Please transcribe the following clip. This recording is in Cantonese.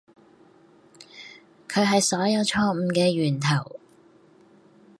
佢係所有錯誤嘅源頭